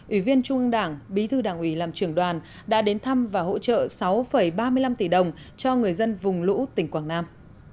ủy viên trung ương đảng bí thư đảng ủy làm trưởng đoàn đã đến thăm và hỗ trợ sáu ba mươi năm tỷ đồng cho người dân vùng lũ tỉnh quảng nam